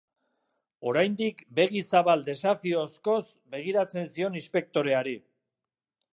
Oraindik begi zabal desafiozkoz begiratzen zion inspektoreari.